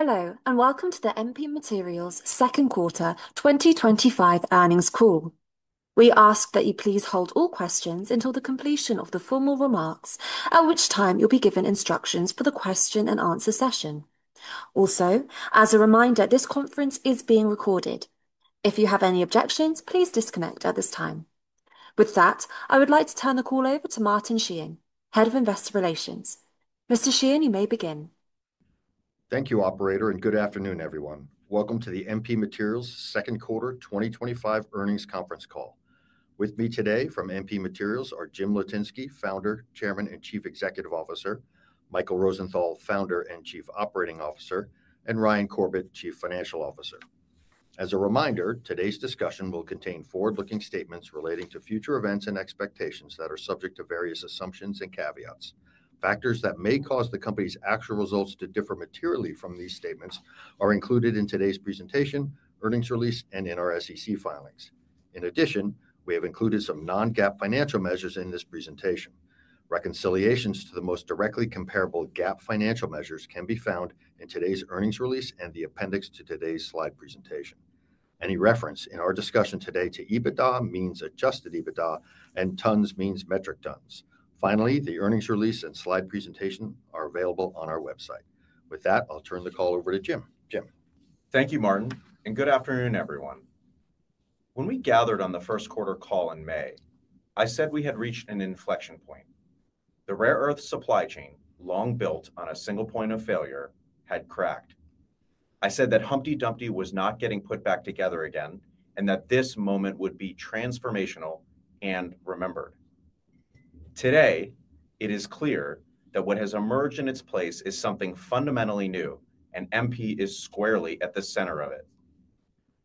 Hello, and welcome to the MP Materials Second Quarter 2025 earnings call. We ask that you please hold all questions until the completion of the formal remarks, at which time you'll be given instructions for the question and answer session. Also, as a reminder, this conference is being recorded. If you have any objections, please disconnect at this time. With that, I would like to turn the call over to Martin Sheehan, Head of Investor Relations. Mr. Sheehan, you may begin. Thank you, Operator, and good afternoon, everyone. Welcome to the MP Materials Second Quarter 2025 earnings conference call. With me today from MP Materials are Jim Litinsky, Founder, Chairman, and Chief Executive Officer; Michael Rosenthal, Founder and Chief Operating Officer; and Ryan Corbett, Chief Financial Officer. As a reminder, today's discussion will contain forward-looking statements relating to future events and expectations that are subject to various assumptions and caveats. Factors that may cause the company's actual results to differ materially from these statements are included in today's presentation, earnings release, and in our SEC filings. In addition, we have included some non-GAAP financial measures in this presentation. Reconciliations to the most directly comparable GAAP financial measures can be found in today's earnings release and the appendix to today's slide presentation. Any reference in our discussion today to EBITDA means adjusted EBITDA and tons means metric tons. Finally, the earnings release and slide presentation are available on our website. With that, I'll turn the call over to Jim. Jim. Thank you, Martin, and good afternoon, everyone. When we gathered on the first quarter call in May, I said we had reached an inflection point. The rare earth supply chain, long built on a single point of failure, had cracked. I said that Humpty Dumpty was not getting put back together again and that this moment would be transformational and remembered. Today, it is clear that what has emerged in its place is something fundamentally new, and MP is squarely at the center of it.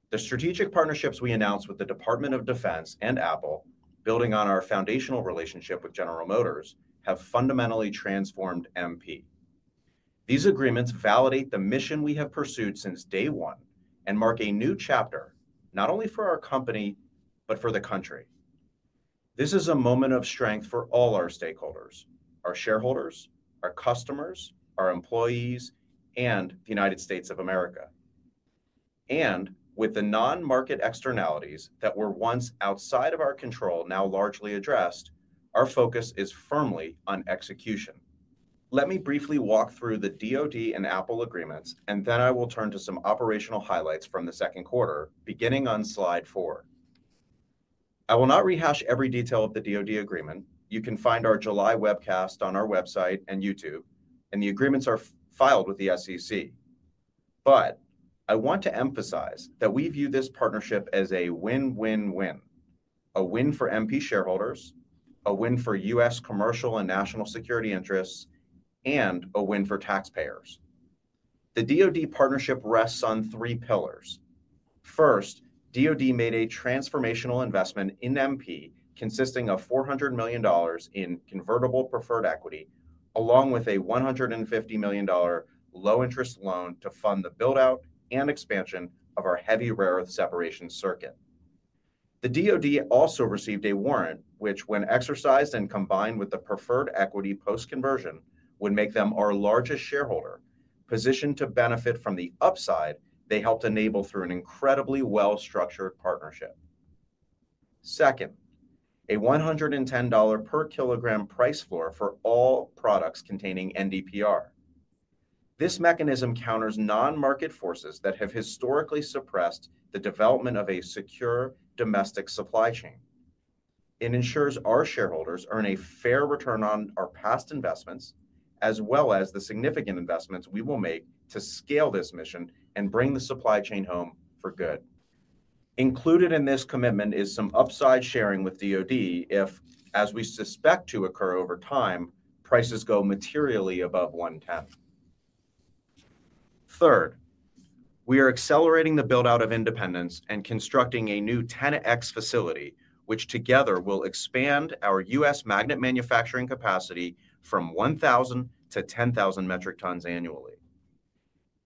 The strategic partnerships we announced with the Department of Defense and Apple, building on our foundational relationship with General Motors, have fundamentally transformed MP. These agreements validate the mission we have pursued since day one and mark a new chapter, not only for our company but for the country. This is a moment of strength for all our stakeholders: our shareholders, our customers, our employees, and the United States of America. With the non-market externalities that were once outside of our control now largely addressed, our focus is firmly on execution. Let me briefly walk through the DoD and Apple agreements, and then I will turn to some operational highlights from the second quarter, beginning on slide four. I will not rehash every detail of the DoD agreement. You can find our July webcast on our website and YouTube, and the agreements are filed with the SEC. I want to emphasize that we view this partnership as a win-win-win, a win for MP shareholders, a win for U.S. commercial and national security interests, and a win for taxpayers. The DoD partnership rests on three pillars. First, DoD made a transformational investment in MP, consisting of $400 million in convertible preferred equity, along with a $150 million low-interest loan to fund the build-out and expansion of our heavy rare earth separation circuit. The DoD also received a warrant, which, when exercised and combined with the preferred equity post-conversion, would make them our largest shareholder, positioned to benefit from the upside they helped enable through an incredibly well-structured partnership. Second, a $110 per kg price floor for all products containing neodymium-praseodymium (NDPR). This mechanism counters non-market forces that have historically suppressed the development of a secure domestic supply chain. It ensures our shareholders earn a fair return on our past investments, as well as the significant investments we will make to scale this mission and bring the supply chain home for good. Included in this commitment is some upside sharing with the Department of Defense (DoD) if, as we suspect to occur over time, prices go materially above one-tenth. Third, we are accelerating the build-out of Independence and constructing a new Tenet X facility, which together will expand our U.S. magnet manufacturing capacity from 1,000-10,000 metric tons annually.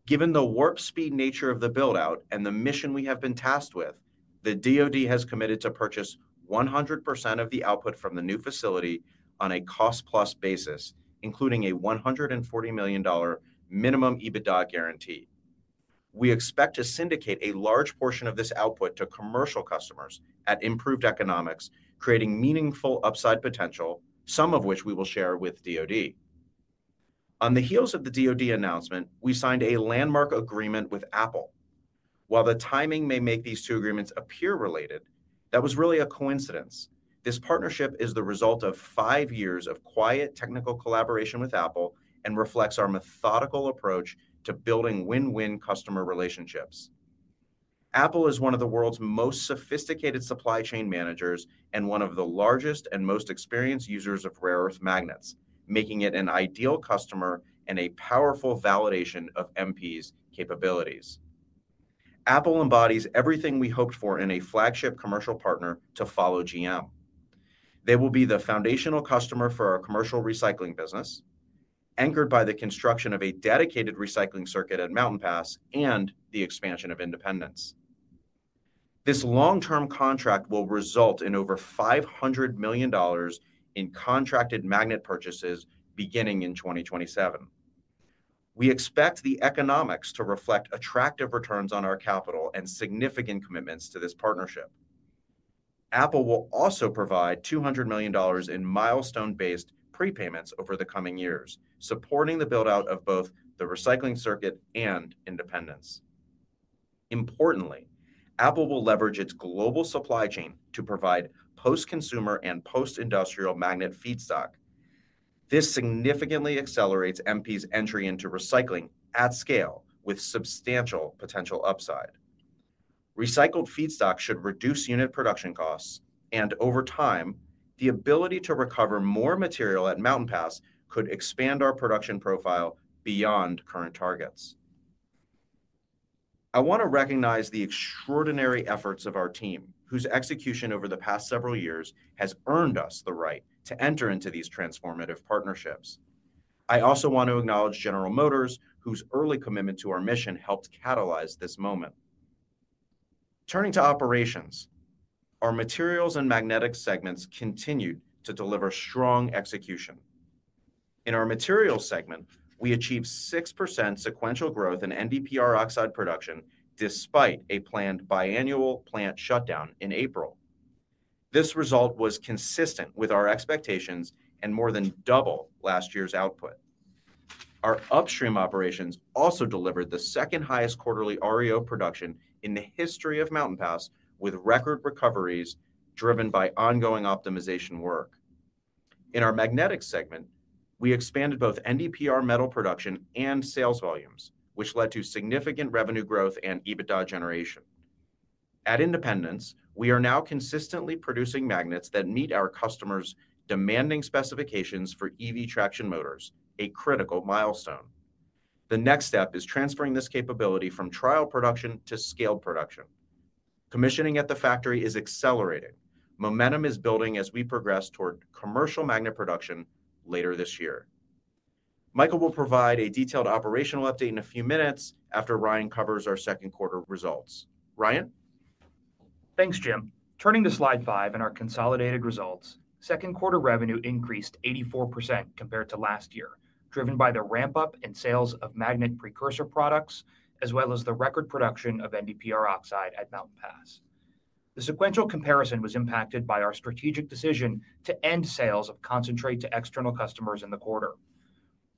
Given the warp speed nature of the build-out and the mission we have been tasked with, the DoD has committed to purchase 100% of the output from the new facility on a cost-plus basis, including a $140 million minimum EBITDA guarantee. We expect to syndicate a large portion of this output to commercial customers at improved economics, creating meaningful upside potential, some of which we will share with the DoD. On the heels of the DoD announcement, we signed a landmark agreement with Apple. While the timing may make these two agreements appear related, that was really a coincidence. This partnership is the result of five years of quiet technical collaboration with Apple and reflects our methodical approach to building win-win customer relationships. Apple is one of the world's most sophisticated supply chain managers and one of the largest and most experienced users of rare earth magnets, making it an ideal customer and a powerful validation of MP Materials' capabilities. Apple embodies everything we hoped for in a flagship commercial partner to follow General Motors. They will be the foundational customer for our commercial recycling business, anchored by the construction of a dedicated recycling circuit at Mountain Pass and the expansion of Independence. This long-term contract will result in over $500 million in contracted magnet purchases beginning in 2027. We expect the economics to reflect attractive returns on our capital and significant commitments to this partnership. Apple will also provide $200 million in milestone-based prepayments over the coming years, supporting the build-out of both the recycling circuit and Independence. Importantly, Apple will leverage its global supply chain to provide post-consumer and post-industrial magnet feedstock. This significantly accelerates MP Materials' entry into recycling at scale, with substantial potential upside. Recycled feedstock should reduce unit production costs, and over time, the ability to recover more material at Mountain Pass could expand our production profile beyond current targets. I want to recognize the extraordinary efforts of our team, whose execution over the past several years has earned us the right to enter into these transformative partnerships. I also want to acknowledge General Motors, whose early commitment to our mission helped catalyze this moment. Turning to operations, our materials and magnetic segments continue to deliver strong execution. In our materials segment, we achieved 6% sequential growth in NDPR oxide production despite a planned biannual plant shutdown in April. This result was consistent with our expectations and more than doubled last year's output. Our upstream operations also delivered the second highest quarterly REO production in the history of Mountain Pass, with record recoveries driven by ongoing optimization work. In our magnetic segment, we expanded both NDPR metal production and sales volumes, which led to significant revenue growth and EBITDA generation. At Independence, we are now consistently producing magnets that meet our customers' demanding specifications for EV traction motors, a critical milestone. The next step is transferring this capability from trial production to scaled production. Commissioning at the factory is accelerating. Momentum is building as we progress toward commercial magnet production later this year. Michael will provide a detailed operational update in a few minutes after Ryan covers our second quarter results. Ryan. Thanks, Jim. Turning to slide five and our consolidated results, second quarter revenue increased 84% compared to last year, driven by the ramp-up in sales of magnetic precursor products, as well as the record production of NDPR oxide at Mountain Pass. The sequential comparison was impacted by our strategic decision to end sales of concentrate to external customers in the quarter.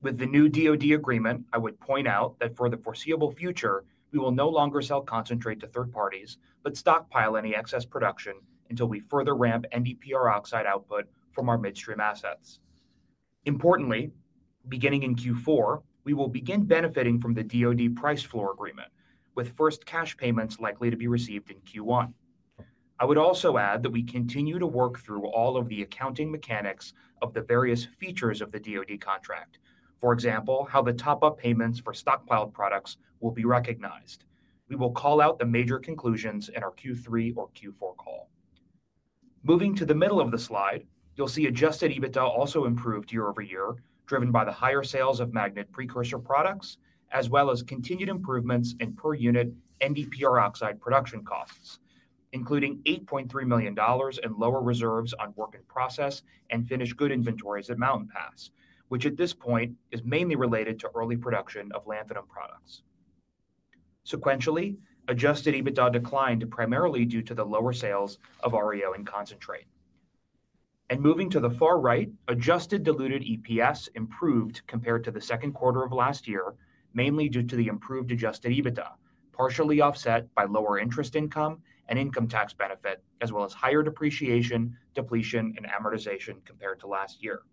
With the new DoD agreement, I would point out that for the foreseeable future, we will no longer sell concentrate to third parties, but stockpile any excess production until we further ramp NDPR oxide output from our midstream assets. Importantly, beginning in Q4, we will begin benefiting from the DoD price floor agreement, with first cash payments likely to be received in Q1. I would also add that we continue to work through all of the accounting mechanics of the various features of the DoD contract. For example, how the top-up payments for stockpiled products will be recognized. We will call out the major conclusions in our Q3 or Q4 call. Moving to the middle of the slide, you'll see adjusted EBITDA also improved year-over-year, driven by the higher sales of magnet precursor products, as well as continued improvements in per unit NDPR oxide production costs, including $8.3 million in lower reserves on work-in-process and finished good inventories at Mountain Pass, which at this point is mainly related to early production of lanthanum products. Sequentially, adjusted EBITDA declined primarily due to the lower sales of REO and concentrate. Moving to the far right, adjusted diluted EPS improved compared to the second quarter of last year, mainly due to the improved adjusted EBITDA, partially offset by lower interest income and income tax benefit, as well as higher depreciation, depletion, and amortization compared to last year.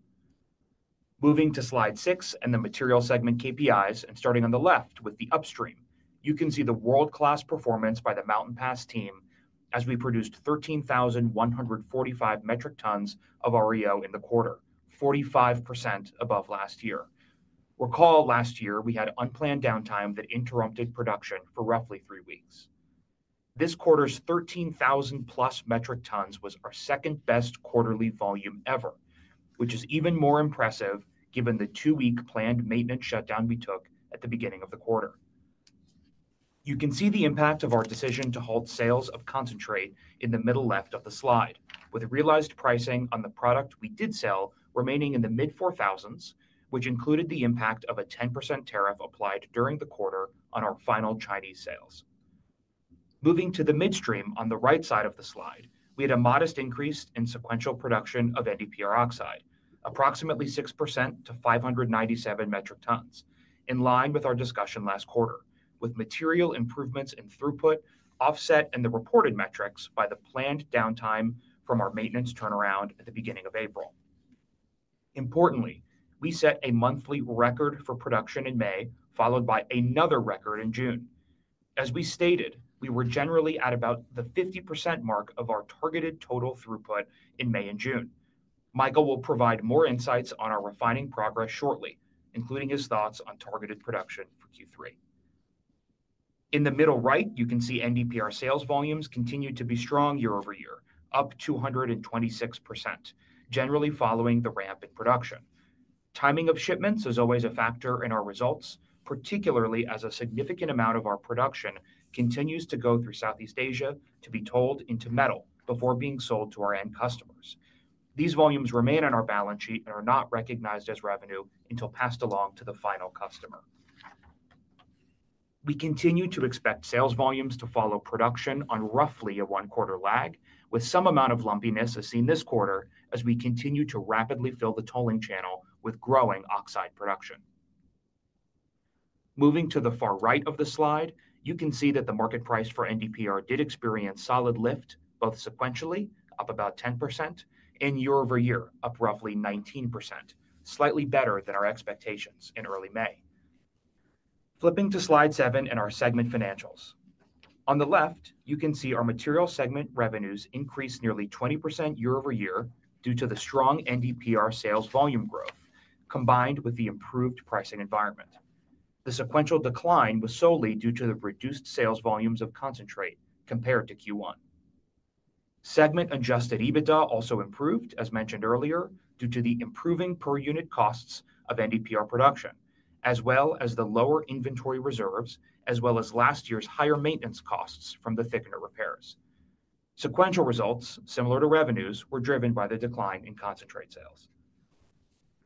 Moving to slide six and the materials segment KPIs, and starting on the left with the upstream, you can see the world-class performance by the Mountain Pass team as we produced 13,145 metric tons of REO in the quarter, 45% above last year. Recall last year we had unplanned downtime that interrupted production for roughly three weeks. This quarter's 13,000+ metric tons was our second best quarterly volume ever, which is even more impressive given the two-week planned maintenance shutdown we took at the beginning of the quarter. You can see the impact of our decision to halt sales of concentrate in the middle left of the slide, with realized pricing on the product we did sell remaining in the mid-$4,000s, which included the impact of a 10% tariff applied during the quarter on our final Chinese sales. Moving to the midstream on the right side of the slide, we had a modest increase in sequential production of NDPR oxide, approximately 6%-597 metric tons, in line with our discussion last quarter, with material improvements in throughput, offset in the reported metrics by the planned downtime from our maintenance turnaround at the beginning of April. Importantly, we set a monthly record for production in May, followed by another record in June. As we stated, we were generally at about the 50% mark of our targeted total throughput in May and June. Michael will provide more insights on our refining progress shortly, including his thoughts on targeted production for Q3. In the middle right, you can see NDPR sales volumes continue to be strong year-over-year, up 226%, generally following the ramp in production. Timing of shipments is always a factor in our results, particularly as a significant amount of our production continues to go through Southeast Asia to be tolled into metal before being sold to our end customers. These volumes remain on our balance sheet and are not recognized as revenue until passed along to the final customer. We continue to expect sales volumes to follow production on roughly a one-quarter lag, with some amount of lumpiness as seen this quarter as we continue to rapidly fill the tolling channel with growing oxide production. Moving to the far right of the slide, you can see that the market price for NDPR did experience solid lift, both sequentially up about 10% and year-over-year up roughly 19%, slightly better than our expectations in early May. Flipping to slide seven and our segment financials. On the left, you can see our materials segment revenues increased nearly 20% year-over-year due to the strong NDPR sales volume growth, combined with the improved pricing environment. The sequential decline was solely due to the reduced sales volumes of concentrate compared to Q1. Segment-adjusted EBITDA also improved, as mentioned earlier, due to the improving per unit costs of NDPR production, as well as the lower inventory reserves, as well as last year's higher maintenance costs from the thickener repairs. Sequential results, similar to revenues, were driven by the decline in concentrate sales.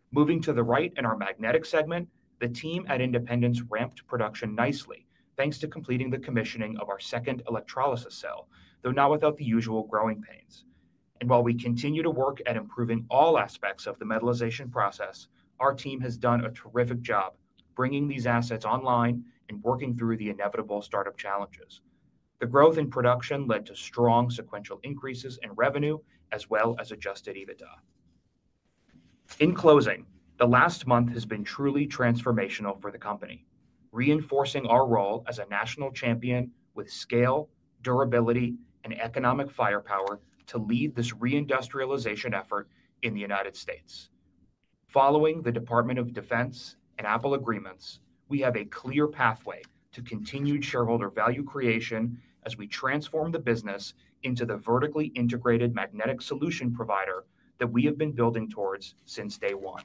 Moving to the right in our magnetic segment, the team at Independence ramped production nicely, thanks to completing the commissioning of our second electrolysis cell, though not without the usual growing pains. While we continue to work at improving all aspects of the metallizationprocess, our team has done a terrific job bringing these assets online and working through the inevitable startup challenges. The growth in production led to strong sequential increases in revenue, as well as adjusted EBITDA. In closing, the last month has been truly transformational for the company, reinforcing our role as a national champion with scale, durability, and economic firepower to lead this reindustrialization effort in the United States. Following the Department of Defense and Apple agreements, we have a clear pathway to continued shareholder value creation as we transform the business into the vertically integrated magnetic solution provider that we have been building towards since day one.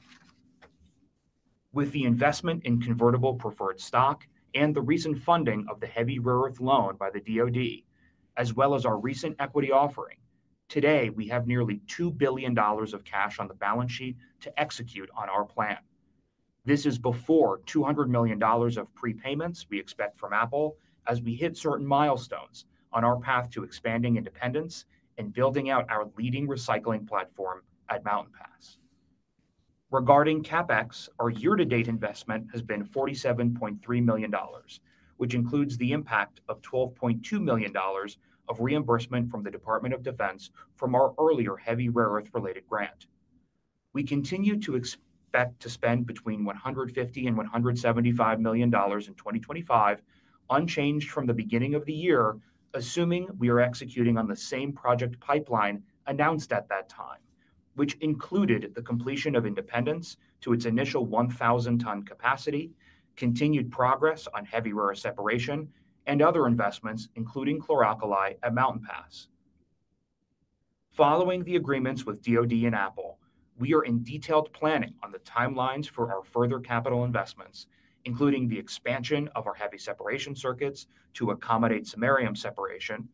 With the investment in convertible preferred stock and the recent funding of the heavy rare earth loan by the Department of Defense, as well as our recent equity offering, today we have nearly $2 billion of cash on the balance sheet to execute on our plan. This is before $200 million of prepayments we expect from Apple as we hit certain milestones on our path to expanding Independence and building out our leading recycling platform at Mountain Pass. Regarding CapEx, our year-to-date investment has been $47.3 million, which includes the impact of $12.2 million of reimbursement from the Department of Defense from our earlier heavy rare earth-related grant. We continue to expect to spend between $150 million and $175 million in 2025, unchanged from the beginning of the year, assuming we are executing on the same project pipeline announced at that time, which included the completion of Independence to its initial 1,000 ton capacity, continued progress on heavy rare earth separation, and other investments, including chlor-alkali at Mountain Pass. Following the agreements with the U.S. Department of Defense and Apple, we are in detailed planning on the timelines for our further capital investments, including the expansion of our heavy separation circuits to accommodate samarium separation,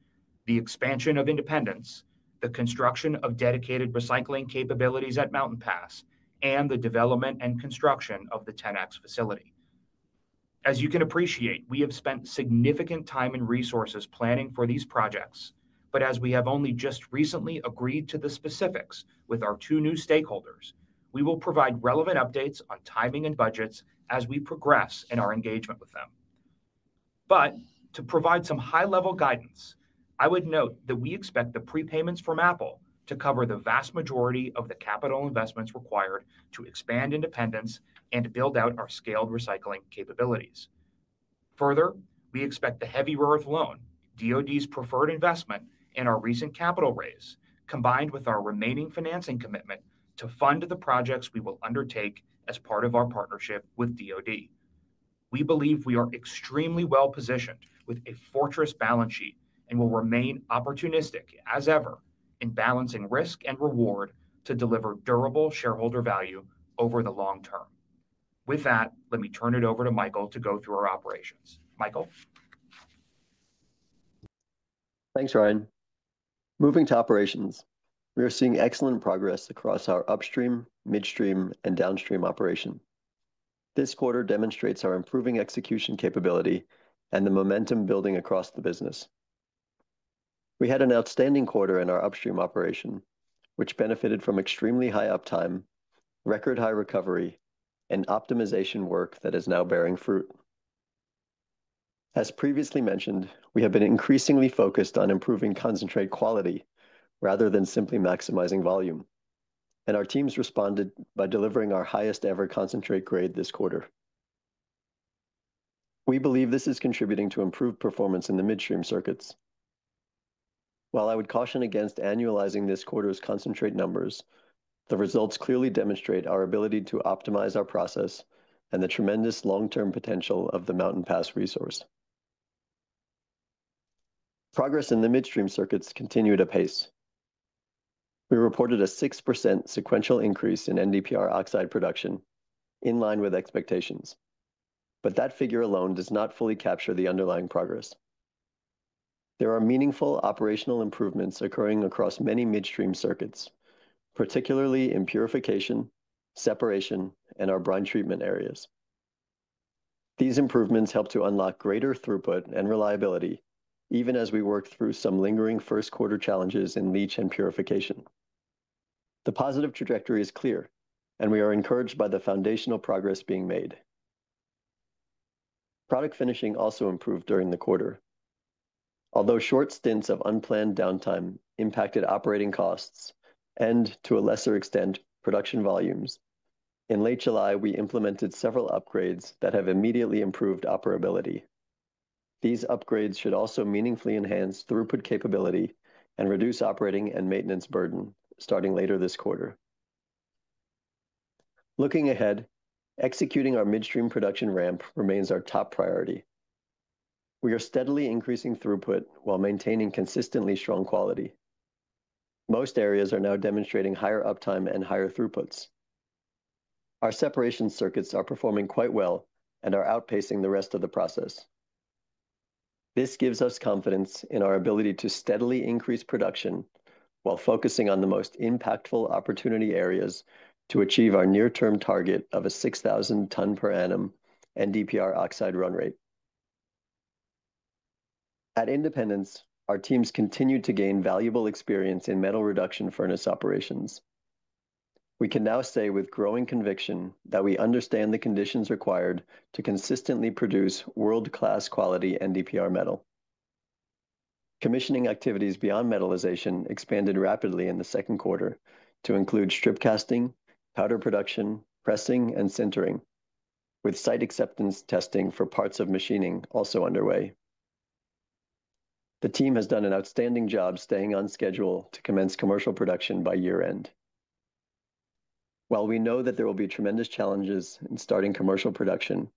the expansion of Independence, the construction of dedicated recycling capabilities at Mountain Pass, and the development and construction of the Tenet X facility. As you can appreciate, we have spent significant time and resources planning for these projects, as we have only just recently agreed to the specifics with our two new stakeholders, we will provide relevant updates on timing and budgets as we progress in our engagement with them. To provide some high-level guidance, I would note that we expect the prepayments from Apple to cover the vast majority of the capital investments required to expand Independence and build out our scaled recycling capabilities. Further, we expect the heavy rare earth loan, the U.S. Department of Defense's preferred investment in our recent capital raise, combined with our remaining financing commitment to fund the projects we will undertake as part of our partnership with the U.S. Department of Defense. We believe we are extremely well positioned with a fortress balance sheet and will remain opportunistic as ever in balancing risk and reward to deliver durable shareholder value over the long term. With that, let me turn it over to Michael to go through our operations. Michael. Thanks, Ryan. Moving to operations, we are seeing excellent progress across our upstream, midstream, and downstream operation. This quarter demonstrates our improving execution capability and the momentum building across the business. We had an outstanding quarter in our upstream operation, which benefited from extremely high uptime, record high recovery, and optimization work that is now bearing fruit. As previously mentioned, we have been increasingly focused on improving concentrate quality rather than simply maximizing volume, and our teams responded by delivering our highest ever concentrate grade this quarter. We believe this is contributing to improved performance in the midstream circuits. While I would caution against annualizing this quarter's concentrate numbers, the results clearly demonstrate our ability to optimize our process and the tremendous long-term potential of the Mountain Pass resource. Progress in the midstream circuits continued at pace. We reported a 6% sequential increase in NDPR oxide production, in line with expectations, but that figure alone does not fully capture the underlying progress. There are meaningful operational improvements occurring across many midstream circuits, particularly in purification, separation, and our brine treatment areas. These improvements help to unlock greater throughput and reliability, even as we work through some lingering first quarter challenges in leach and purification. The positive trajectory is clear, and we are encouraged by the foundational progress being made. Product finishing also improved during the quarter. Although short stints of unplanned downtime impacted operating costs and, to a lesser extent, production volumes, in late July, we implemented several upgrades that have immediately improved operability. These upgrades should also meaningfully enhance throughput capability and reduce operating and maintenance burden starting later this quarter. Looking ahead, executing our midstream production ramp remains our top priority. We are steadily increasing throughput while maintaining consistently strong quality. Most areas are now demonstrating higher uptime and higher throughputs. Our separation circuits are performing quite well and are outpacing the rest of the process. This gives us confidence in our ability to steadily increase production while focusing on the most impactful opportunity areas to achieve our near-term target of a 6,000 ton per annum NDPR oxide run rate. At Independence, our teams continued to gain valuable experience in metal reduction furnace operations. We can now say with growing conviction that we understand the conditions required to consistently produce world-class quality NDPR metal. Commissioning activities beyond metallization expanded rapidly in the second quarter to include strip casting, powder production, pressing, and sintering, with site acceptance testing for parts of machining also underway. The team has done an outstanding job staying on schedule to commence commercial production by year-end. While we know that there will be tremendous challenges in starting commercial production,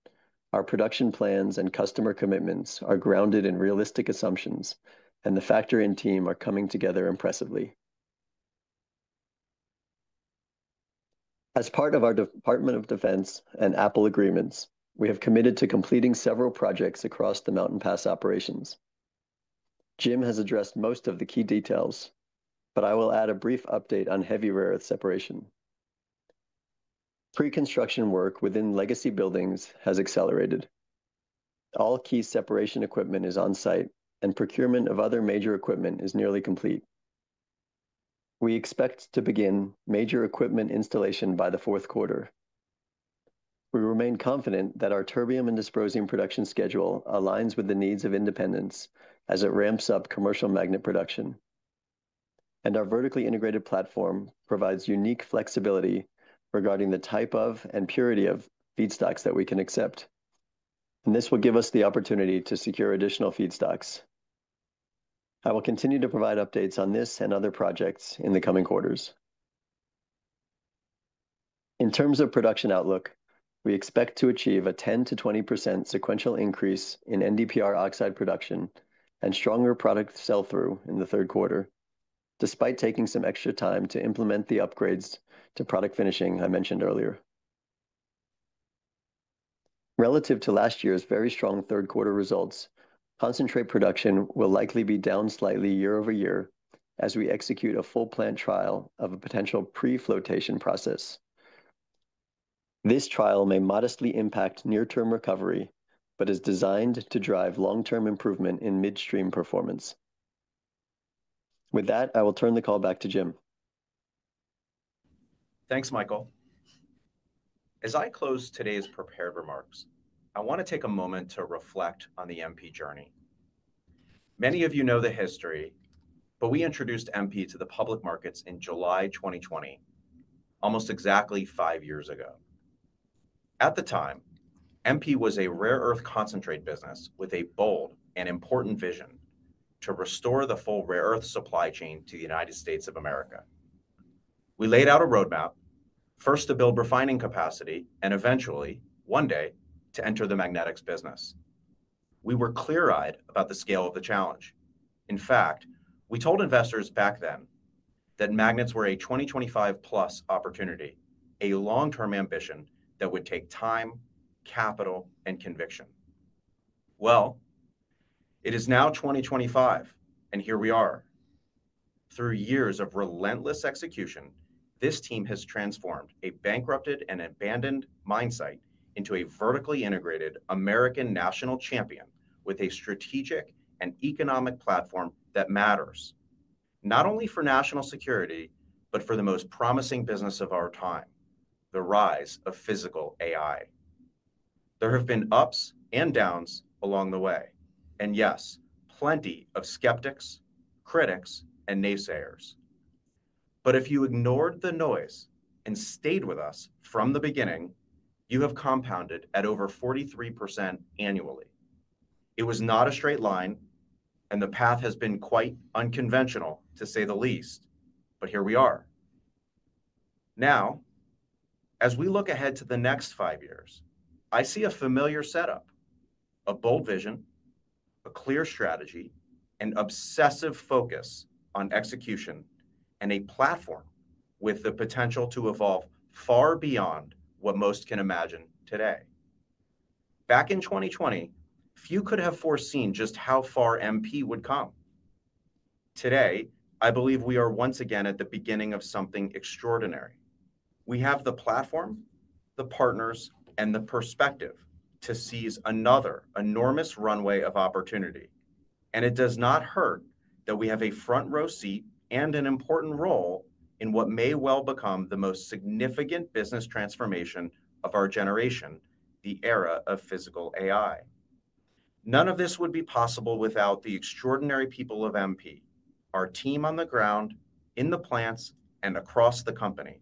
our production plans and customer commitments are grounded in realistic assumptions, and the factory and team are coming together impressively. As part of our Department of Defense and Apple agreements, we have committed to completing several projects across the Mountain Pass operations. Jim has addressed most of the key details, but I will add a brief update on heavy rare earth separation. Pre-construction work within legacy buildings has accelerated. All key separation equipment is on site, and procurement of other major equipment is nearly complete. We expect to begin major equipment installation by the fourth quarter. We remain confident that our terbium and dysprosium production schedule aligns with the needs of Independence as it ramps up commercial magnet production. Our vertically integrated platform provides unique flexibility regarding the type of and purity of feedstocks that we can accept. This will give us the opportunity to secure additional feedstocks. I will continue to provide updates on this and other projects in the coming quarters. In terms of production outlook, we expect to achieve a 10% to 20% sequential increase in NDPR oxide production and stronger product sell-through in the third quarter, despite taking some extra time to implement the upgrades to product finishing I mentioned earlier. Relative to last year's very strong third quarter results, concentrate production will likely be down slightly year-over-year as we execute a full plan trial of a potential pre-flotation process. This trial may modestly impact near-term recovery, but is designed to drive long-term improvement in midstream performance. With that, I will turn the call back to Jim. Thanks, Michael. As I close today's prepared remarks, I want to take a moment to reflect on the MP journey. Many of you know the history, but we introduced MP to the public markets in July 2020, almost exactly five years ago. At the time, MP was a rare earth concentrate business with a bold and important vision to restore the full rare earth supply chain to the United States of America. We laid out a roadmap, first to build refining capacity and eventually, one day, to enter the magnetics business. We were clear-eyed about the scale of the challenge. In fact, we told investors back then that magnets were a 2025+ opportunity, a long-term ambition that would take time, capital, and conviction. It is now 2025, and here we are. Through years of relentless execution, this team has transformed a bankrupted and abandoned mine site into a vertically integrated American national champion with a strategic and economic platform that matters, not only for national security, but for the most promising business of our time, the rise of physical AI. There have been ups and downs along the way, and yes, plenty of skeptics, critics, and naysayers. If you ignored the noise and stayed with us from the beginning, you have compounded at over 43% annually. It was not a straight line, and the path has been quite unconventional, to say the least, but here we are. Now, as we look ahead to the next five years, I see a familiar setup, a bold vision, a clear strategy, an obsessive focus on execution, and a platform with the potential to evolve far beyond what most can imagine today. Back in 2020, few could have foreseen just how far MP would come. Today, I believe we are once again at the beginning of something extraordinary. We have the platform, the partners, and the perspective to seize another enormous runway of opportunity, and it does not hurt that we have a front row seat and an important role in what may well become the most significant business transformation of our generation, the era of physical AI. None of this would be possible without the extraordinary people of MP, our team on the ground, in the plants, and across the company.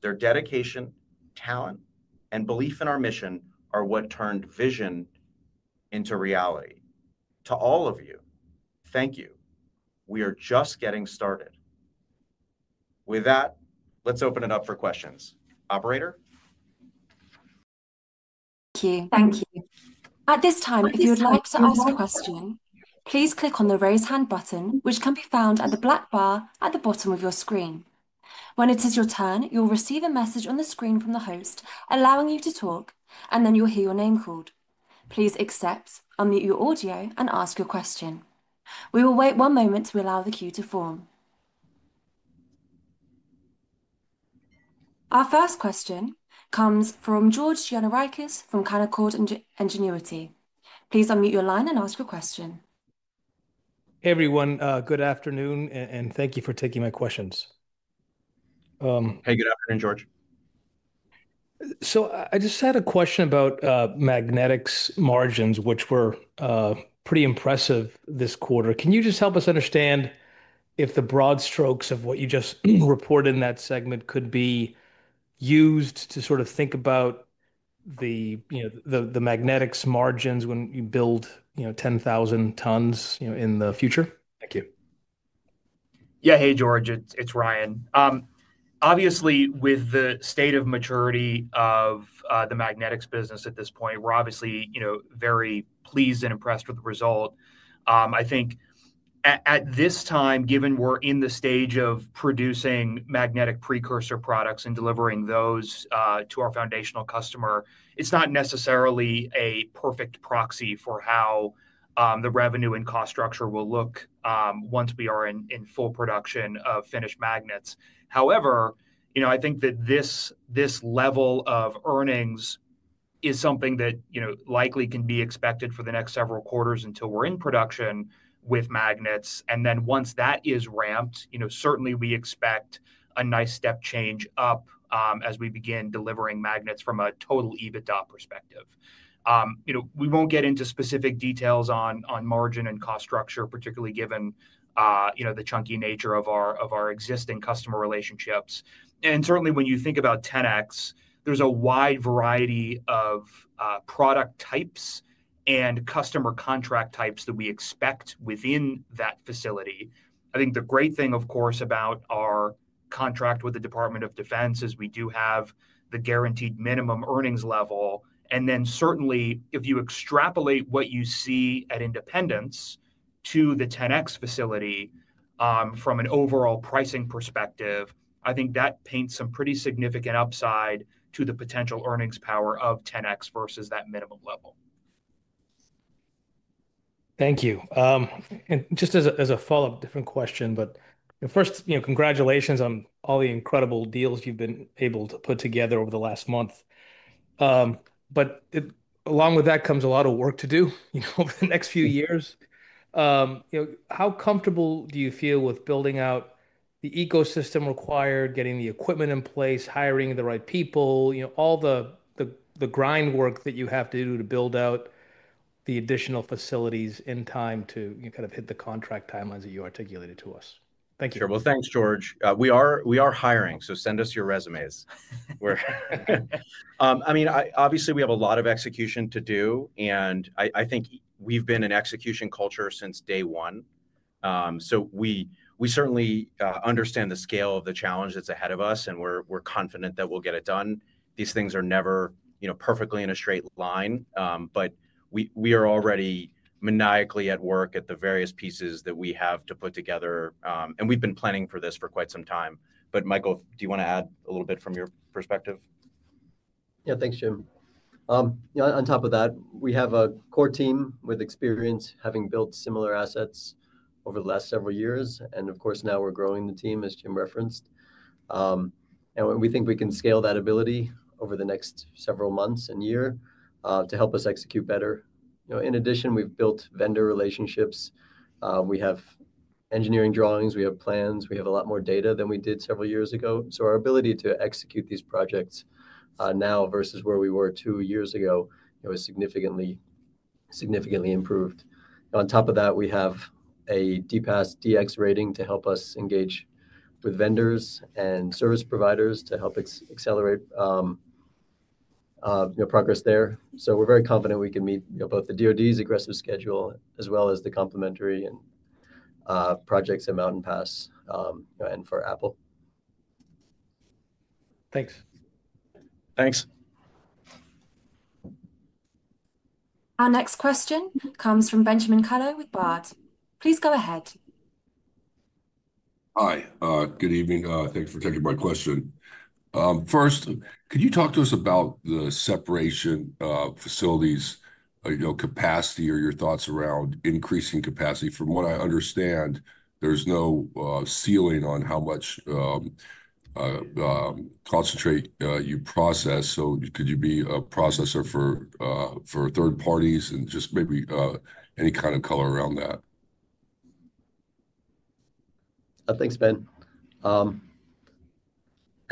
Their dedication, talent, and belief in our mission are what turned vision into reality. To all of you, thank you. We are just getting started. With that, let's open it up for questions. Operator? Thank you. At this time, if you would like to ask a question, please click on the raised hand button, which can be found at the black bar at the bottom of your screen. When it is your turn, you will receive a message on the screen from the host allowing you to talk, and then you will hear your name called. Please accept, unmute your audio, and ask your question. We will wait one moment to allow the queue to form. Our first question comes from George Gianarakis from Canaccord Genuity. Please unmute your line and ask your question. Hey, everyone. Good afternoon, and thank you for taking my questions. Hey, good afternoon, George. I just had a question about magnetics margins, which were pretty impressive this quarter. Can you just help us understand if the broad strokes of what you just reported in that segment could be used to sort of think about the magnetics margins when you build 10,000 tons in the future? Thank you. Yeah, hey, George. It's Ryan. Obviously, with the state of maturity of the magnetics business at this point, we're obviously very pleased and impressed with the result. I think at this time, given we're in the stage of producing magnetic precursor products and delivering those to our foundational customer, it's not necessarily a perfect proxy for how the revenue and cost structure will look once we are in full production of finished magnets. However, I think that this level of earnings is something that likely can be expected for the next several quarters until we're in production with magnets. Once that is ramped, certainly we expect a nice step change up as we begin delivering magnets from a total EBITDA perspective. We won't get into specific details on margin and cost structure, particularly given the chunky nature of our existing customer relationships. Certainly, when you think about Tenet, there's a wide variety of product types and customer contract types that we expect within that facility. I think the great thing, of course, about our contract with the U.S. Department of Defense is we do have the guaranteed minimum earnings level. Certainly, if you extrapolate what you see at Independence to the Tenet facility from an overall pricing perspective, I think that paints some pretty significant upside to the potential earnings power of Tenet versus that minimum level. Thank you. Just as a follow-up, different question, but first, congratulations on all the incredible deals you've been able to put together over the last month. Along with that comes a lot of work to do over the next few years. How comfortable do you feel with building out the ecosystem required, getting the equipment in place, hiring the right people, all the grind work that you have to do to build out the additional facilities in time to kind of hit the contract timelines that you articulated to us? Thank you. Sure. Thanks, George. We are hiring, so send us your resumes. Obviously, we have a lot of execution to do, and I think we've been in execution culture since day one. We certainly understand the scale of the challenge that's ahead of us, and we're confident that we'll get it done. These things are never perfectly in a straight line, but we are already maniacally at work at the various pieces that we have to put together, and we've been planning for this for quite some time. Michael, do you want to add a little bit from your perspective? Yeah, thanks, Jim. On top of that, we have a core team with experience having built similar assets over the last several years, and of course, now we're growing the team, as Jim referenced. We think we can scale that ability over the next several months and year to help us execute better. In addition, we've built vendor relationships. We have engineering drawings, we have plans, we have a lot more data than we did several years ago. Our ability to execute these projects now versus where we were two years ago is significantly improved. On top of that, we have a DPASS DX rating to help us engage with vendors and service providers to help accelerate progress there. We're very confident we can meet both the DoD's aggressive schedule as well as the complementary projects at Mountain Pass and for Apple. Thanks. Thanks. Our next question comes from Benjamin Kallo with Baird. Please go ahead. Hi. Good evening. Thanks for taking my question. First, could you talk to us about the separation facilities' capacity or your thoughts around increasing capacity? From what I understand, there's no ceiling on how much concentrate you process. Could you be a processor for third parties and just maybe any kind of color around that? Thanks, Ben. I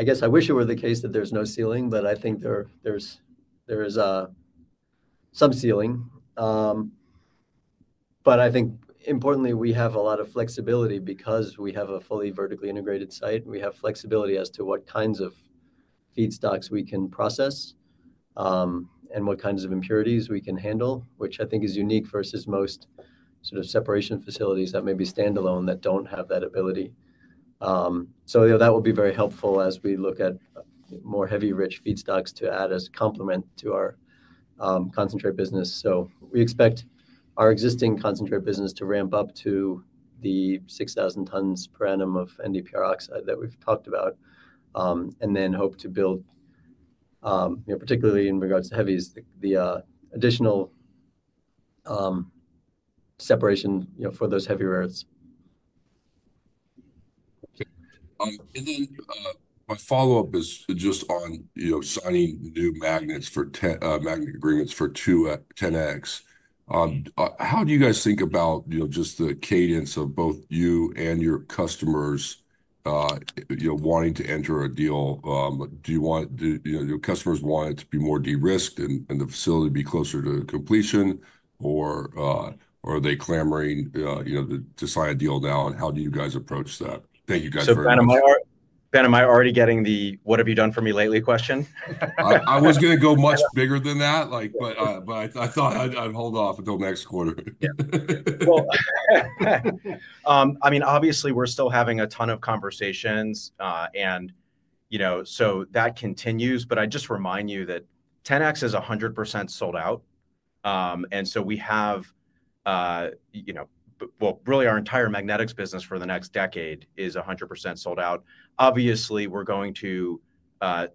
guess I wish it were the case that there's no ceiling, but I think there is some ceiling. I think importantly, we have a lot of flexibility because we have a fully vertically integrated site. We have flexibility as to what kinds of feedstocks we can process and what kinds of impurities we can handle, which I think is unique versus most sort of separation facilities that may be standalone that don't have that ability. That will be very helpful as we look at more heavy rich feedstocks to add as a complement to our concentrate business. We expect our existing concentrate business to ramp up to the 6,000 tons per annum of NDPR oxide that we've talked about and then hope to build, particularly in regards to heavies, the additional separation for those heavier earths. My follow-up is just on signing new magnet agreements for two Tenets. How do you guys think about just the cadence of both you and your customers wanting to enter a deal? Do your customers want it to be more de-risked and the facility to be closer to completion, or are they clamoring to sign a deal now? How do you guys approach that? Thank you guys for that. Ben, am I already getting the "what have you done for me lately" question? I was going to go much bigger than that, but I thought I'd hold off until next quarter. Obviously, we're still having a ton of conversations, and so that continues. I just remind you that Tenet is 100% sold out. We have, really, our entire magnetics business for the next decade 100% sold out. We're going to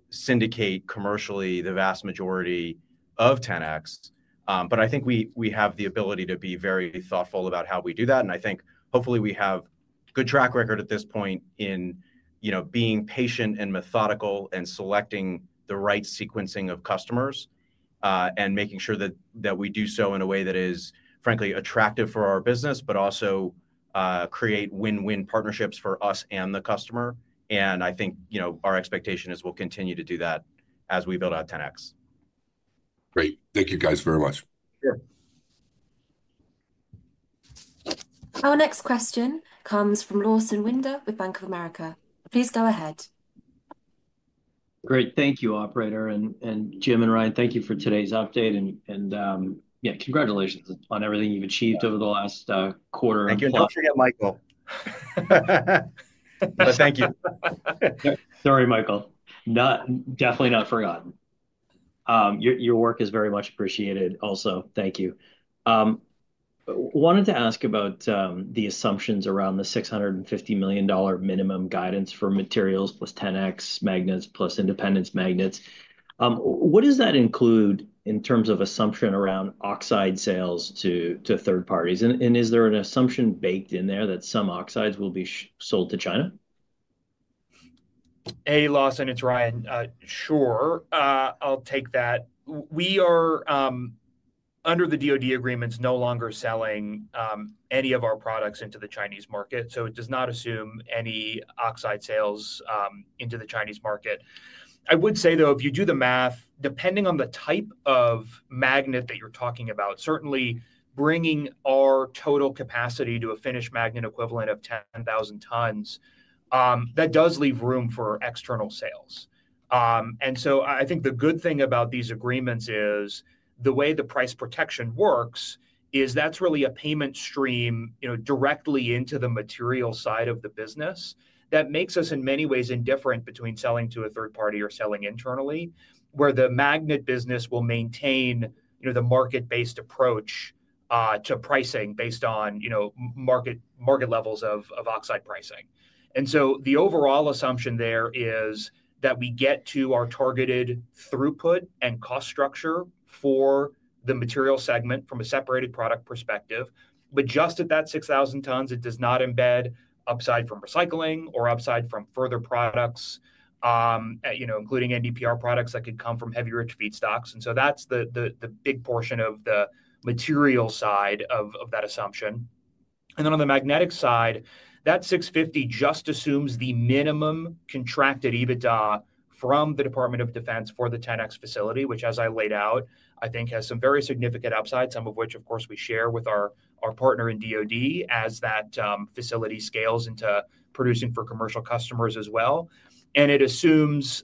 syndicate commercially the vast majority of Tenet's, but I think we have the ability to be very thoughtful about how we do that. I think hopefully we have a good track record at this point in being patient and methodical and selecting the right sequencing of customers and making sure that we do so in a way that is frankly attractive for our business, but also creates win-win partnerships for us and the customer. I think our expectation is we'll continue to do that as we build out Tenet's. Great. Thank you guys very much. Our next question comes from Lawson Winder with Bank of America. Please go ahead. Great. Thank you, Operator. Jim and Ryan, thank you for today's update. Congratulations on everything you've achieved over the last quarter. Thank you. Don't forget Michael. Thank you. Sorry, Michael. Definitely not forgotten. Your work is very much appreciated also. Thank you. I wanted to ask about the assumptions around the $650 million minimum guidance for materials plus Tenet X magnets, plus Independence magnets. What does that include in terms of assumption around oxide sales to third parties? Is there an assumption baked in there that some oxides will be sold to China? Hey, Lawson, it's Ryan. Sure. I'll take that. We are, under the DoD agreements, no longer selling any of our products into the Chinese market. It does not assume any oxide sales into the Chinese market. I would say, though, if you do the math, depending on the type of magnet that you're talking about, certainly bringing our total capacity to a finished magnet equivalent of 10,000 tons, that does leave room for external sales. I think the good thing about these agreements is the way the price protection works is that's really a payment stream directly into the material side of the business that makes us in many ways indifferent between selling to a third party or selling internally, where the magnet business will maintain the market-based approach to pricing based on market levels of oxide pricing. The overall assumption there is that we get to our targeted throughput and cost structure for the material segment from a separated product perspective. Just at that 6,000 tons, it does not embed upside from recycling or upside from further products, including NDPR products that could come from heavy rich feedstocks. That's the big portion of the material side of that assumption. On the magnetic side, that 650 just assumes the minimum contracted EBITDA from the Department of Defense for the Tenet facility, which, as I laid out, I think has some very significant upside, some of which, of course, we share with our partner in DoD as that facility scales into producing for commercial customers as well. It assumes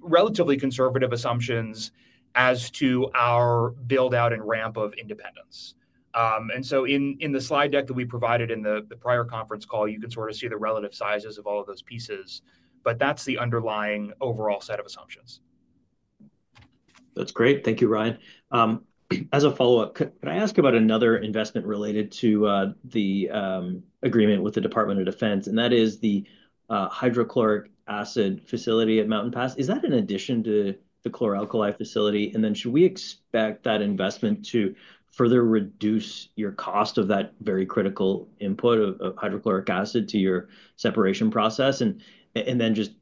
relatively conservative assumptions as to our build-out and ramp of Independence. In the slide deck that we provided in the prior conference call, you could sort of see the relative sizes of all of those pieces. That's the underlying overall set of assumptions. That's great. Thank you, Ryan. As a follow-up, could I ask about another investment related to the agreement with the U.S. Department of Defense? Is the hydrochloric acid facility at Mountain Pass in addition to the chlor-alkali facility? Should we expect that investment to further reduce your cost of that very critical input of hydrochloric acid to your separation process?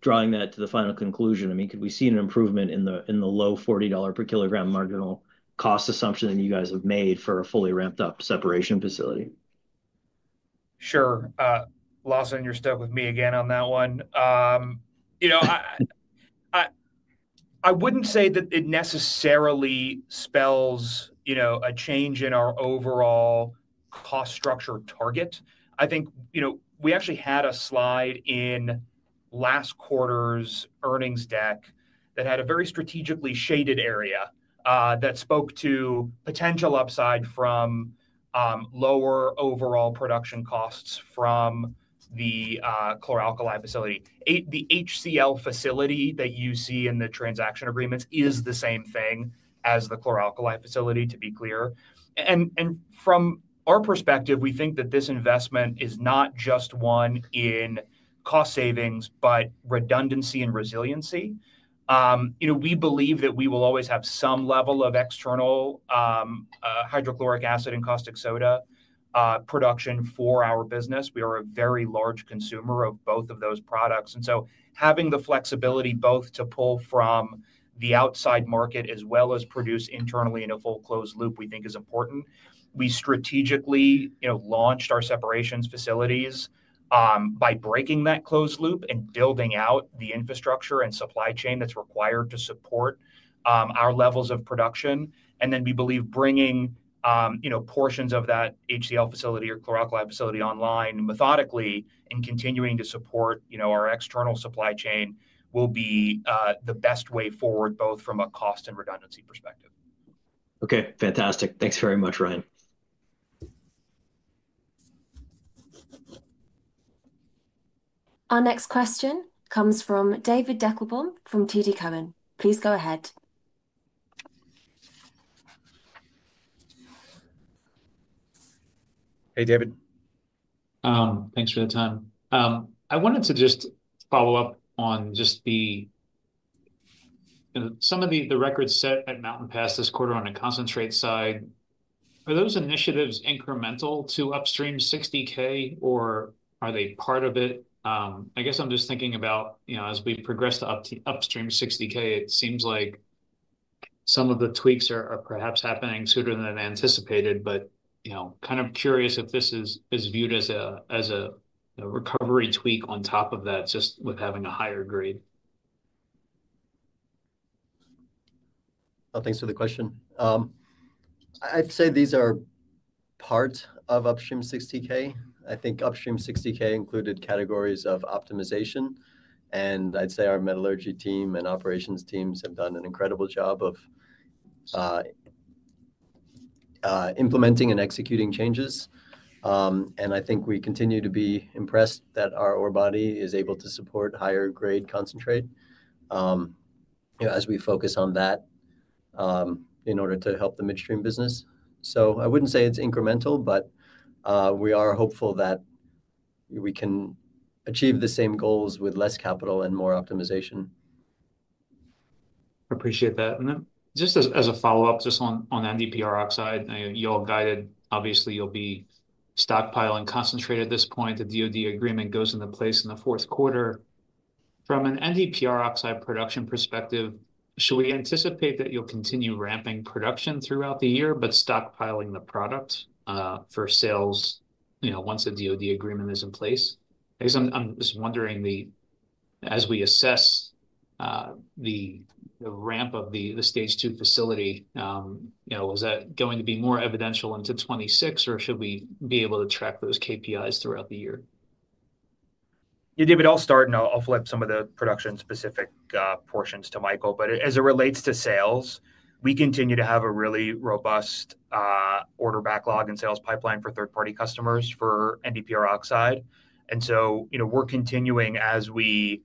Drawing that to the final conclusion, could we see an improvement in the low $40 per kg marginal cost assumption that you guys have made for a fully ramped-up separation facility? Sure. Lawson, you're stuck with me again on that one. I wouldn't say that it necessarily spells a change in our overall cost structure target. I think we actually had a slide in last quarter's earnings deck that had a very strategically shaded area that spoke to potential upside from lower overall production costs from the chlor-alkali facility. The HCL facility that you see in the transaction agreements is the same thing as the chlor-alkali facility, to be clear. From our perspective, we think that this investment is not just one in cost savings, but redundancy and resiliency. We believe that we will always have some level of external hydrochloric acid and caustic soda production for our business. We are a very large consumer of both of those products. Having the flexibility both to pull from the outside market as well as produce internally in a full closed loop we think is important. We strategically launched our separations facilities by breaking that closed loop and building out the infrastructure and supply chain that's required to support our levels of production. We believe bringing portions of that HCL facility or Chloralcali facility online methodically and continuing to support our external supply chain will be the best way forward, both from a cost and redundancy perspective. Okay. Fantastic. Thanks very much, Ryan. Our next question comes from David Deckelbaum from TD Cowen & Company. Please go ahead. Hey, David. Thanks for the time. I wanted to just follow up on just some of the records set at Mountain Pass this quarter on a concentrate side. Are those initiatives incremental to Upstream 60K, or are they part of it? I guess I'm just thinking about, you know, as we progress to Upstream 60K, it seems like some of the tweaks are perhaps happening sooner than anticipated. I'm kind of curious if this is viewed as a recovery tweak on top of that, just with having a higher grade. Thanks for the question. I'd say these are part of Upstream 60K. I think Upstream 60K included categories of optimization. I'd say our metallurgy team and operations teams have done an incredible job of implementing and executing changes. I think we continue to be impressed that our body is able to support higher grade concentrate as we focus on that in order to help the midstream business. I wouldn't say it's incremental, but we are hopeful that we can achieve the same goals with less capital and more optimization. I appreciate that. Then just as a follow-up, just on NDPR oxide, you all guided, obviously, you'll be stockpiling concentrate at this point. The DoD agreement goes into place in the fourth quarter. From an NDPR oxide production perspective, should we anticipate that you'll continue ramping production throughout the year, but stockpiling the product for sales once the DoD agreement is in place? I guess I'm just wondering, as we assess the ramp of the stage two facility, is that going to be more evidential into 2026, or should we be able to track those KPIs throughout the year? Yeah, David, I'll start, and I'll flip some of the production-specific portions to Michael. As it relates to sales, we continue to have a really robust order backlog and sales pipeline for third-party customers for NDPR oxide. We're continuing, as we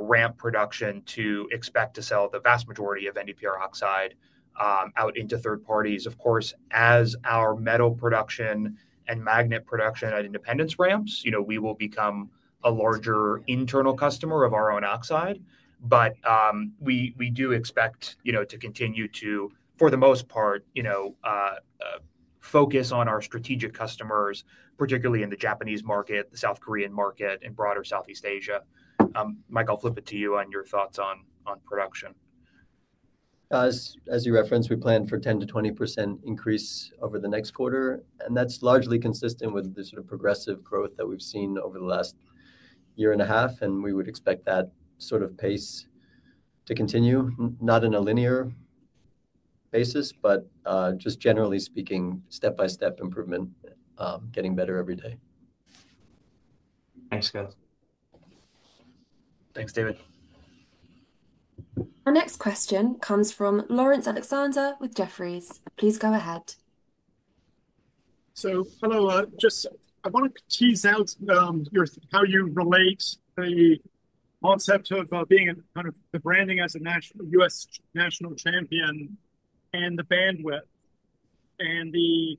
ramp production, to expect to sell the vast majority of NDPR oxide out into third parties. Of course, as our metal production and magnet production at Independence ramps, we will become a larger internal customer of our own oxide. We do expect to continue to, for the most part, focus on our strategic customers, particularly in the Japanese market, the South Korean market, and broader Southeast Asia. Michael, I'll flip it to you on your thoughts on production. As you referenced, we plan for 10% to 20% increase over the next quarter. That's largely consistent with the sort of progressive growth that we've seen over the last year and a half. We would expect that sort of pace to continue, not on a linear basis, but just generally speaking, step-by-step improvement, getting better every day. Thanks, guys. Thanks, David. Our next question comes from Laurence Alexander with Jefferies. Please go ahead. Hello. I want to tease out how you relate the concept of being kind of the branding as a U.S. national champion and the bandwidth and the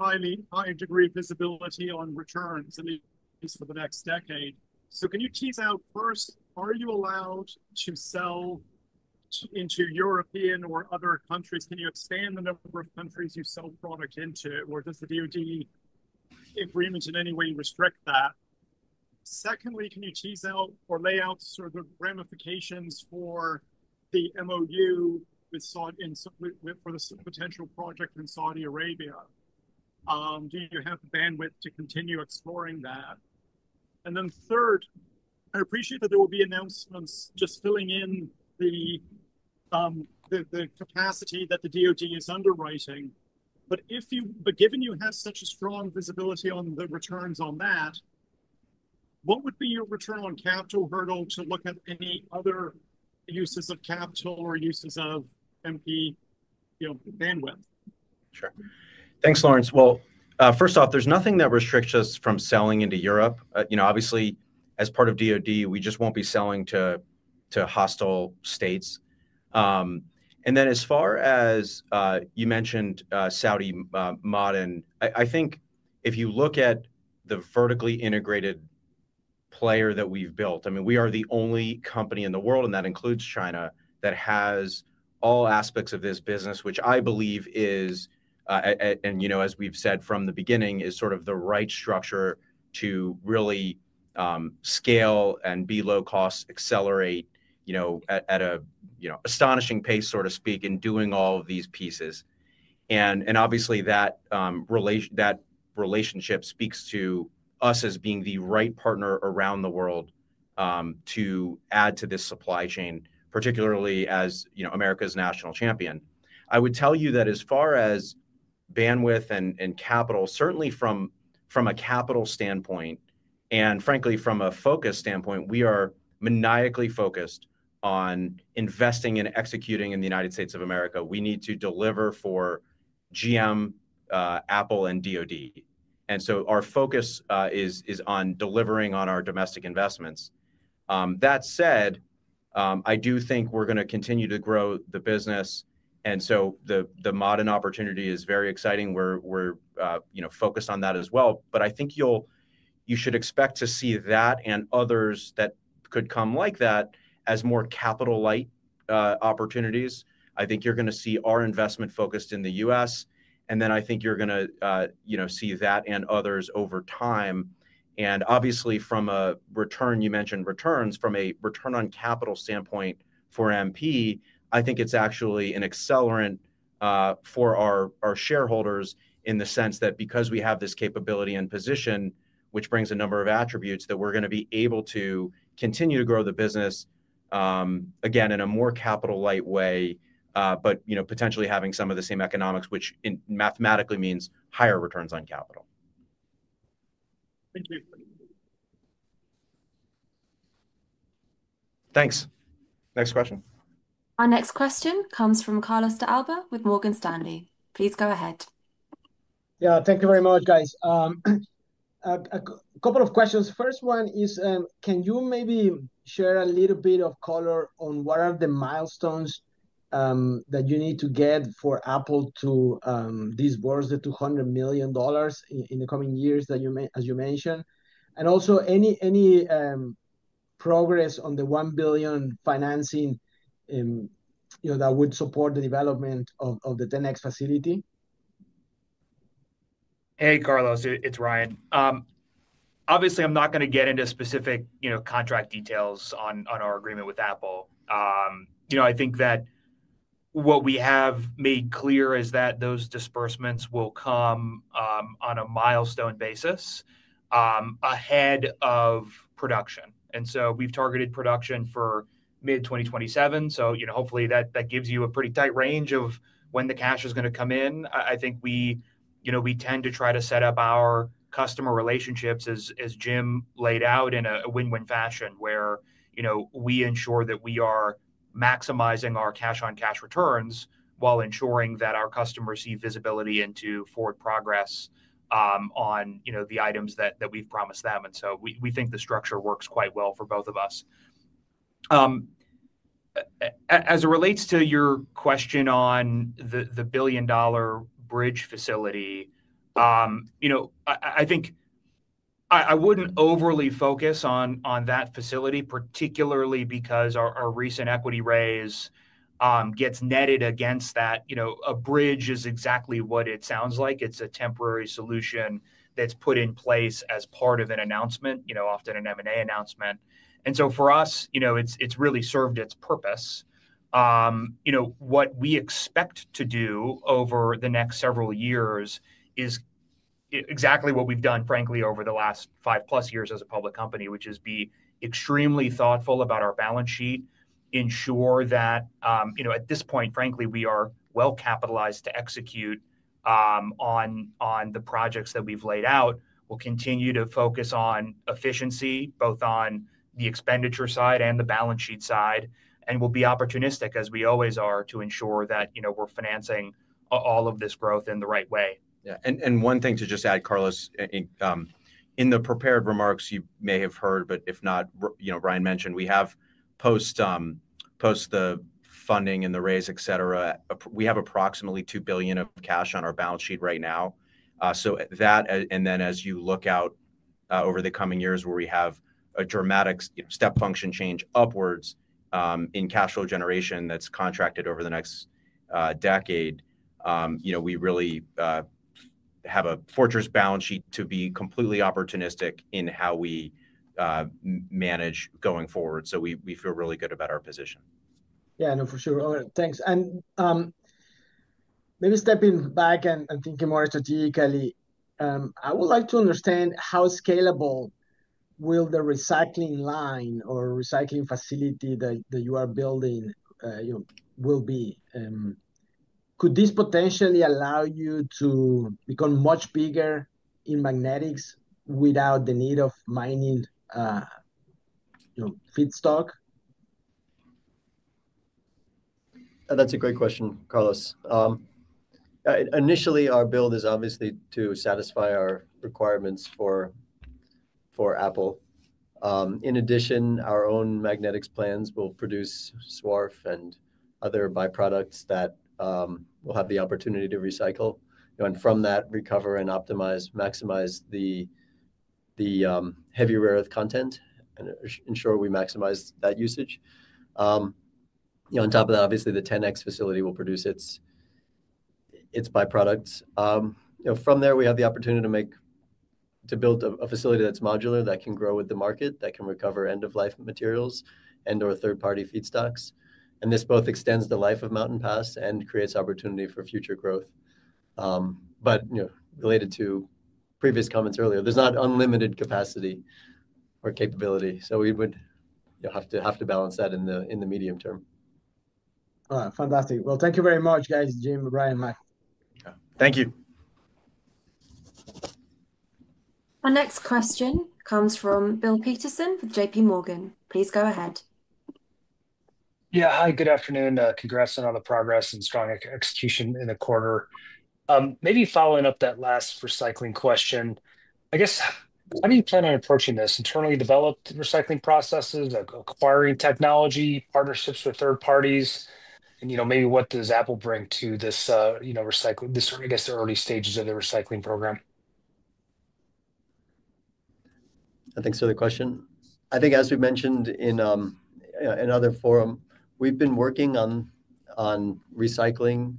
higher degree of visibility on returns, at least for the next decade. Can you tease out first, are you allowed to sell into European or other countries? Can you expand the number of countries you sell product into, or does the DoD agreement in any way restrict that? Secondly, can you tease out or lay out sort of the ramifications for the MOU with Saudi, for the potential project in Saudi Arabia? Do you have the bandwidth to continue exploring that? Third, I appreciate that there will be announcements just filling in the capacity that the DoD is underwriting. Given you have such a strong visibility on the returns on that, what would be your return on capital hurdle to look at any other uses of capital or uses of MP bandwidth? Sure. Thanks, Laurence. First off, there's nothing that restricts us from selling into Europe. Obviously, as part of DoD, we just won't be selling to hostile states. As far as you mentioned Saudi Ma'aden, I think if you look at the vertically integrated player that we've built, we are the only company in the world, and that includes China, that has all aspects of this business, which I believe is, and as we've said from the beginning, is sort of the right structure to really scale and be low cost, accelerate at an astonishing pace, so to speak, in doing all of these pieces. Obviously, that relationship speaks to us as being the right partner around the world to add to this supply chain, particularly as America's national champion. I would tell you that as far as bandwidth and capital, certainly from a capital standpoint and frankly from a focus standpoint, we are maniacally focused on investing and executing in the United States of America. We need to deliver for General Motors, Apple, and DoD. Our focus is on delivering on our domestic investments. That said, I do think we're going to continue to grow the business. The Moden opportunity is very exciting. We're focused on that as well. I think you should expect to see that and others that could come like that as more capital-light opportunities. I think you're going to see our investment focused in the United States. I think you're going to see that and others over time. Obviously, you mentioned returns, from a return on capital standpoint for MP Materials, I think it's actually an accelerant for our shareholders in the sense that because we have this capability and position, which brings a number of attributes, we're going to be able to continue to grow the business again in a more capital-light way, but potentially having some of the same economics, which mathematically means higher returns on capital. Thanks. Next question. Our next question comes from Carlos de Alba with Morgan Stanley. Please go ahead. Thank you very much, guys. A couple of questions. First one is, can you maybe share a little bit of color on what are the milestones that you need to get for Apple to be worth the $200 million in the coming years, as you mentioned? Also, any progress on the $1 billion financing that would support the development of the Tenet X magnet facility? Hey, Carlos. It's Ryan. Obviously, I'm not going to get into specific contract details on our agreement with Apple. What we have made clear is that those disbursements will come on a milestone basis ahead of production. We've targeted production for mid-2027. Hopefully, that gives you a pretty tight range of when the cash is going to come in. We tend to try to set up our customer relationships, as Jim laid out, in a win-win fashion, where we ensure that we are maximizing our cash-on-cash returns while ensuring that our customers see visibility into forward progress on the items that we've promised them. We think the structure works quite well for both of us. As it relates to your question on the billion-dollar bridge facility, I wouldn't overly focus on that facility, particularly because our recent equity raise gets netted against that. A bridge is exactly what it sounds like. It's a temporary solution that's put in place as part of an announcement, often an M&A announcement. For us, it's really served its purpose. What we expect to do over the next several years is exactly what we've done, frankly, over the last five-plus years as a public company, which is be extremely thoughtful about our balance sheet, ensure that at this point, frankly, we are well capitalized to execute on the projects that we've laid out. We'll continue to focus on efficiency, both on the expenditure side and the balance sheet side, and we'll be opportunistic, as we always are, to ensure that we're financing all of this growth in the right way. Yeah. One thing to just add, Carlos, in the prepared remarks you may have heard, but if not, Ryan mentioned, we have, post the funding and the raise, et cetera, approximately $2 billion of cash on our balance sheet right now. That, and then as you look out over the coming years where we have a dramatic step function change upwards in cash flow generation that's contracted over the next decade, we really have a fortress balance sheet to be completely opportunistic in how we manage going forward. We feel really good about our position. Yeah, for sure. Thanks. Maybe stepping back and thinking more strategically, I would like to understand how scalable will the recycling line or recycling facility that you are building be. Could this potentially allow you to become much bigger in magnetics without the need of mining feedstock? That's a great question, Carlos. Initially, our build is obviously to satisfy our requirements for Apple. In addition, our own magnetics plans will produce swarf and other byproducts that will have the opportunity to recycle and from that recover and optimize, maximize the heavy rare earth content and ensure we maximize that usage. On top of that, the Tenet X magnet facility will produce its byproducts. From there, we have the opportunity to build a facility that's modular that can grow with the market, that can recover end-of-life materials and/or third-party feedstocks. This both extends the life of Mountain Pass and creates opportunity for future growth. However, related to previous comments earlier, there's not unlimited capacity or capability. We would have to balance that in the medium term. Fantastic. Thank you very much, guys, Jim, with Ryan and Michael. Thank you. Our next question comes from Bill Peterson with JPMorgan. Please go ahead. Yeah, hi, good afternoon. Congrats on all the progress and strong execution in the quarter. Maybe following up that last recycling question, I guess how do you plan on approaching this? Internally developed recycling processes, acquiring technology, partnerships with third parties, and maybe what does Apple bring to this, I guess, early stages of the recycling program? Thanks for the question. I think, as we've mentioned in another forum, we've been working on recycling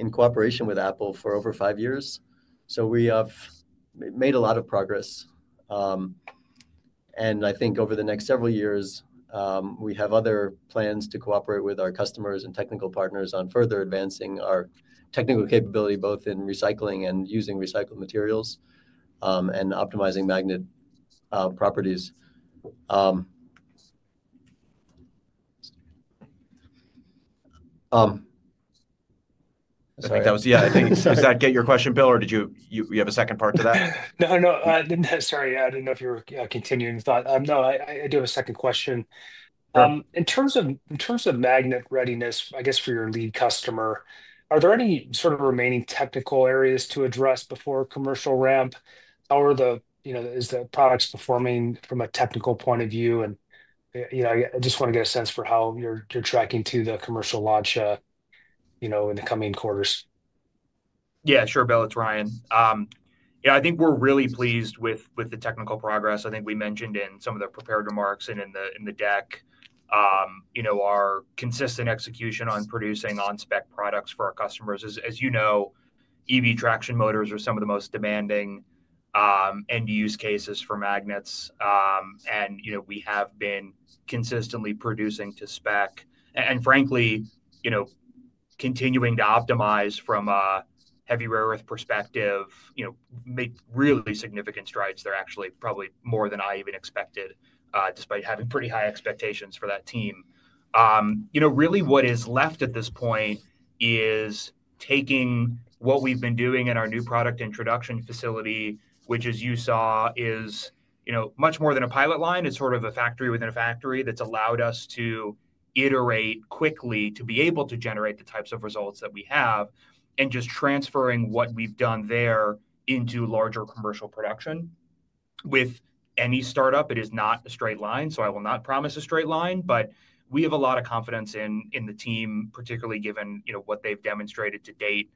in cooperation with Apple for over five years. We have made a lot of progress. I think over the next several years, we have other plans to cooperate with our customers and technical partners on further advancing our technical capability, both in recycling and using recycled materials and optimizing magnet properties. I think that was, does that get your question, Bill, or did you have a second part to that? Sorry, I didn't know if you were continuing the thought. I do have a second question. In terms of magnet readiness, I guess for your lead customer, are there any sort of remaining technical areas to address before commercial ramp, or is the product still forming from a technical point of view? I just want to get a sense for how you're tracking to the commercial launch in the coming quarters. Yeah, sure, Bill. It's Ryan. I think we're really pleased with the technical progress. I think we mentioned in some of the prepared remarks and in the deck, our consistent execution on producing on-spec products for our customers. As you know, EV traction motors are some of the most demanding end-use cases for magnets. We have been consistently producing to spec and, frankly, continuing to optimize from a heavy rare earth perspective. We made really significant strides there, actually, probably more than I even expected, despite having pretty high expectations for that team. Really, what is left at this point is taking what we've been doing in our new product introduction facility, which, as you saw, is much more than a pilot line. It's sort of a factory within a factory that's allowed us to iterate quickly to be able to generate the types of results that we have and just transferring what we've done there into larger commercial production. With any startup, it is not a straight line. I will not promise a straight line, but we have a lot of confidence in the team, particularly given what they've demonstrated to date.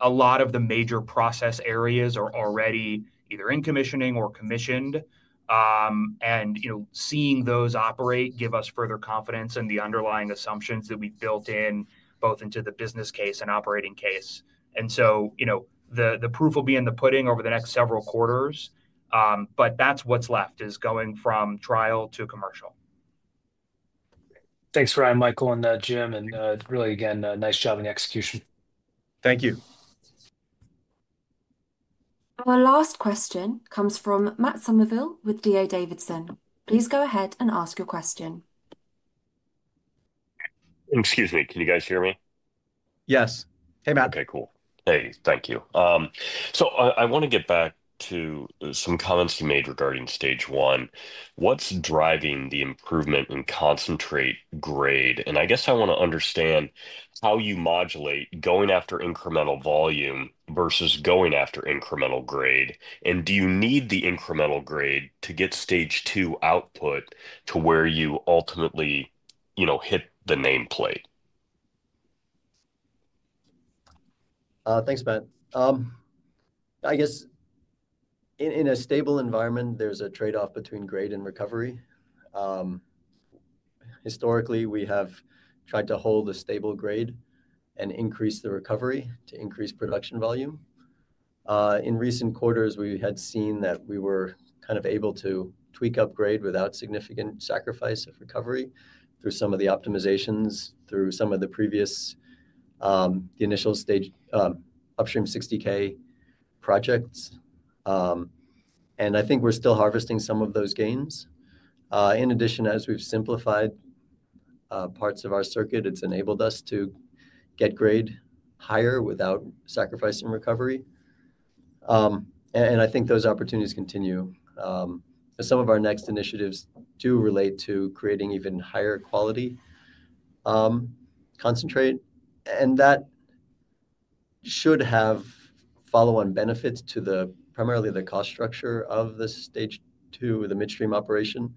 A lot of the major process areas are already either in commissioning or commissioned, and seeing those operate gives us further confidence in the underlying assumptions that we've built in both into the business case and operating case. The proof will be in the pudding over the next several quarters. That's what's left, going from trial to commercial. Thanks for that, Michael and Jim. Really, again, nice job in the execution. Thank you. Our last question comes from Matt Summerville with DA Davidson. Please go ahead and ask your question. Excuse me, can you guys hear me? Yes. Hey, Matt. Okay, cool. Thank you. I want to get back to some comments you made regarding stage one. What's driving the improvement in concentrate grade? I guess I want to understand how you modulate going after incremental volume versus going after incremental grade. Do you need the incremental grade to get stage two output to where you ultimately hit the nameplate? Thanks, Matt. I guess in a stable environment, there's a trade-off between grade and recovery. Historically, we have tried to hold a stable grade and increase the recovery to increase production volume. In recent quarters, we have seen that we were able to tweak up grade without significant sacrifice of recovery through some of the optimizations, through some of the previous, the initial stage Upstream 60K projects. I think we're still harvesting some of those gains. In addition, as we've simplified parts of our circuit, it's enabled us to get grade higher without sacrificing recovery. I think those opportunities continue. Some of our next initiatives do relate to creating even higher quality concentrate. That should have follow-on benefits to primarily the cost structure of the stage two of the midstream operation,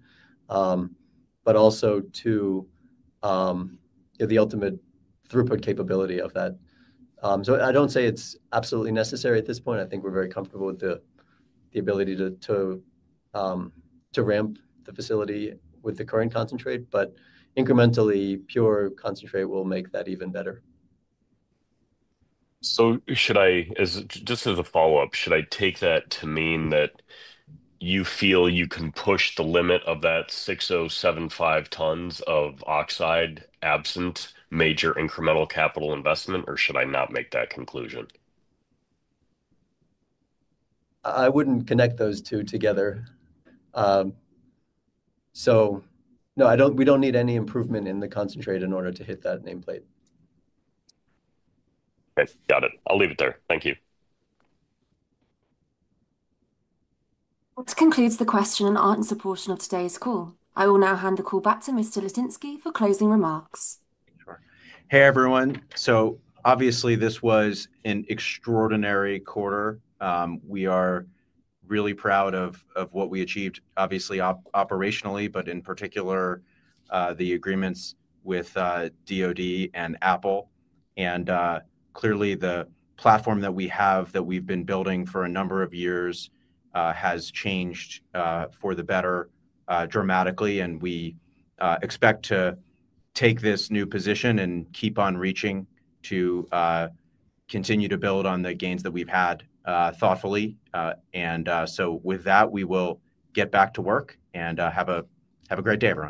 but also to the ultimate throughput capability of that. I don't say it's absolutely necessary at this point. I think we're very comfortable with the ability to ramp the facility with the current concentrate. Incrementally, pure concentrate will make that even better. Should I, just as a follow-up, should I take that to mean that you feel you can push the limit of that 6,075 tons of oxide absent major incremental capital investment, or should I not make that conclusion? I wouldn't connect those two together. No, we don't need any improvement in the concentrate in order to hit that nameplate. Okay, got it. I'll leave it there. Thank you. That concludes the question and answer portion of today's call. I will now hand the call back to Mr. Litinsky for closing remarks. Sure. Hey, everyone. This was an extraordinary quarter. We are really proud of what we achieved, operationally, but in particular, the agreements with the U.S. Department of Defense and Apple. Clearly, the platform that we have, that we've been building for a number of years, has changed for the better dramatically. We expect to take this new position and keep on reaching to continue to build on the gains that we've had thoughtfully. With that, we will get back to work and have a great day at home.